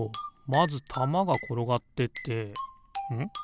まずたまがころがってってん？